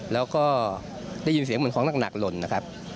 แล้วก็ได้ยินเสียงเหมือนของหนักหล่นนะครับ